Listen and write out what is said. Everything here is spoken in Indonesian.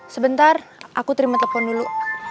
sebentar aku terima telepon dulu